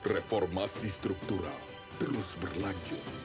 reformasi struktural terus berlanjut